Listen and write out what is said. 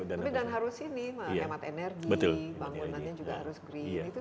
dan harus ini hemat energi bangunannya juga harus green